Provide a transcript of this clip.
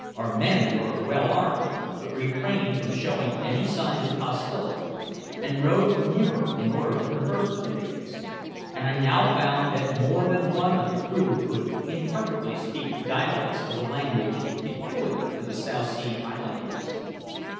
Our men were well armed, but refrained from showing any signs of hostility, and rowed nearer in order to converse with the natives; and I now found that more than one of the crew could imperfectly speak dialects of the language peculiar to the South Sea Islanders.